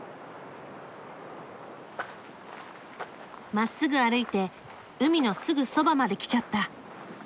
まっすぐ歩いて海のすぐそばまで来ちゃった。